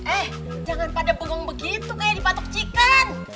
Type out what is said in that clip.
eh jangan pada bengong begitu kayak dipatuk chicken